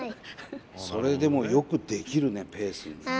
それでもよくできるねペーすんの。